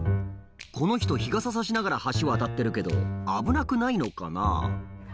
この人日傘差しながら橋渡ってるけど危なくないのかな？